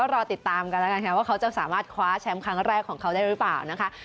ว่าเขาจะสามารถคว้าแชมป์ครั้งแรกของเขาได้หรือเปล่า